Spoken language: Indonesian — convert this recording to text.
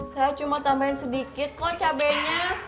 saya cuma tambahin sedikit kok cabainya